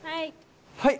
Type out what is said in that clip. はい。